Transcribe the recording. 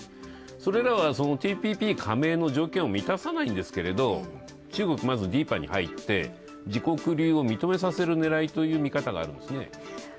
それらはＴＰＰ加盟の条件を満たさないんですけれど中国、まずＤＥＰＡに入って自国流を認めさせるねらいという見方もあるんですね。